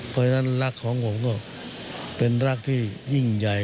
เพราะฉะนั้นรักของผมก็เป็นรักที่ยิ่งใหญ่